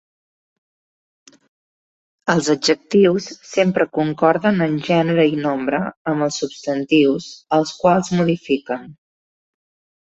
Els adjectius sempre concorden en gènere i nombre amb els substantius als quals modifiquen.